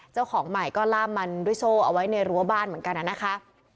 เจ้าของใหม่ก็ล่ามมันด้วยโซ่เอาไว้ในรั้วบ้านเหมือนกันนะคะ